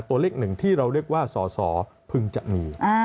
ตัวเลขหนึ่งที่เราเรียกว่าสอสอพึงจะมี